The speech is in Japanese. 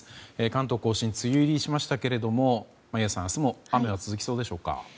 関東・甲信は梅雨入りしましたけれども眞家さん、明日も雨は続きそうでしょうか？